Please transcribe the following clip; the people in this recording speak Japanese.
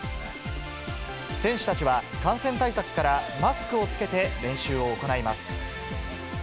選手たちは、感染対策からマスクを着けて練習を行います。